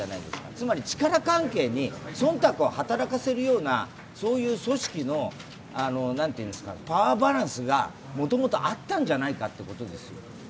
つまり力関係に、忖度を働かせるようなそういう組織のパワーバランスがもともと、あったんじゃないかということですよ。